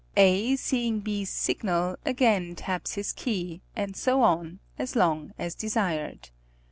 A, seeing B's signal again taps his key, and so on, as long as desired.